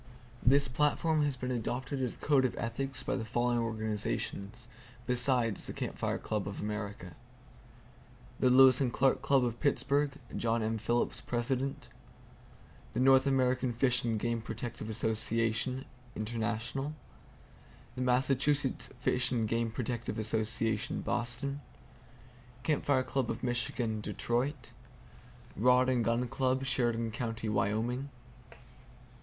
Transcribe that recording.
This platform has been adopted as a code of ethics by the following organizations, besides the Camp Fire Club of America: The Lewis and Clark Club, of Pittsburgh, John M. Phillips, President. The North American Fish and Game Protective Association (International) Massachusetts Fish and Game Protective Association, Boston. Camp Fire Club of Michigan, Detroit. Rod and Gun Club, Sheridan County, Wyoming.